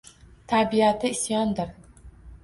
Tabiati — isyondir.